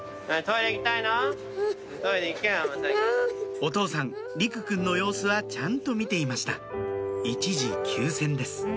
お父さん莉来くんの様子はちゃんと見ていました一時休戦です